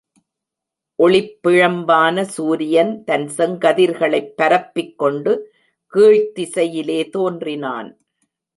ஒளிப்பிழம்பான சூரியன் தன் செங்கதிர்களைப் பரப்பிக் கொண்டு கீழ்த் திசையிலே தோன்றினான்.